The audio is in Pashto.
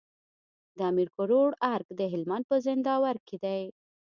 د امير کروړ ارګ د هلمند په زينداور کي دی